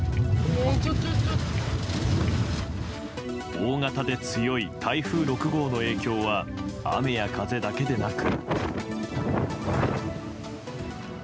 大型で強い台風６号の影響は雨や風だけでなく。